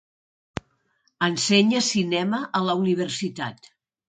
Ensenya cinema a la universitat.